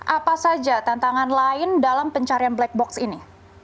apa saja tantangan lain dalam pencarian black box ini